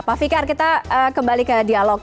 pak fikar kita kembali ke dialog